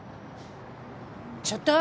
ちょっと。